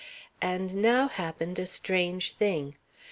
And now happened a strange thing.